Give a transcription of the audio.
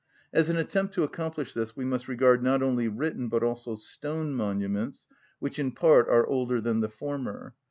As an attempt to accomplish this we must regard not only written, but also stone monuments, which in part are older than the former.